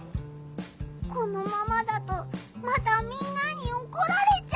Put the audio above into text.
このままだとまたみんなにおこられちゃうよ！